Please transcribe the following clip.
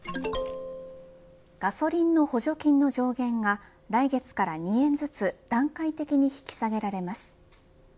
ガソリンの補助金の上限が来月から２円ずつ段階的に引き下げられます。